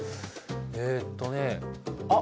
えとねあっ